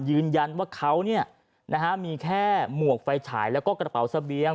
ยืนยันว่าเขามีแค่หมวกไฟฉายแล้วก็กระเป๋าเสบียง